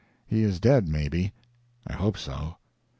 He is dead, maybe. I hope so.